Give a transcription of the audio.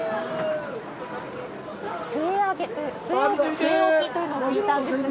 据え置きというのも聞いたんですが。